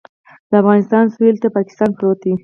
د افغانستان سویل ته پاکستان پروت دی